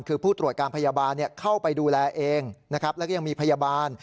คือผู้ตรวจการพยาบาลเข้าไปดูแลเองนะครับแล้วก็ยังมีพยาบาล